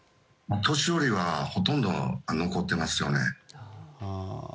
年寄りはほとんど残ってますよね。